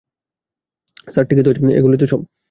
Sir, ঠিকই তো আছে, এইগুলাই তো সব।